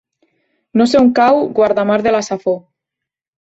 No sé on cau Guardamar de la Safor.